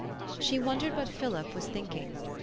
She wondered what Philip was thinking.